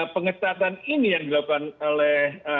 pengetatan ini yang dilakukan oleh